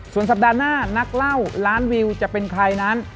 ส่วนสัปดาห์หน้านักเล่าล้านวิวจะเป็นใครนั้น